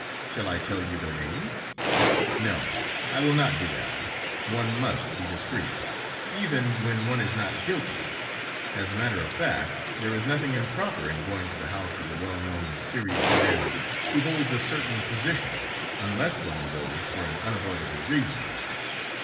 Shall I tell you their names? No I will not do that; one must be discreet, even when one it not guilty; as a matter of fact, there is nothing improper in going to the house of a well known serious man who holds a certain position, unless one goes for an unavoidable reason!"